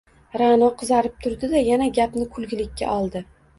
Ra’no qizarib turdi-da, yana gapni kulgilikka oldi: